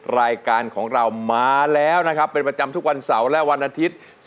รายการของเรามาแล้วนะครับเป็นประจำทุกวันเสาร์และวันอาทิตย์